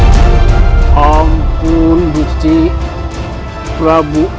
ini hal bigi jangan diadakan mudah